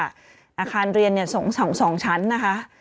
อาคารเรียน๒ชั้นนะคะ